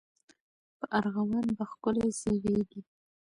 په ارغوان به ښکلي سي غیږي